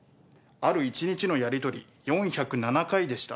ある１日のやり取り、４０７回でした。